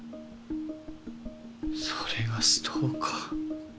それがストーカー。